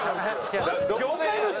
業界の人？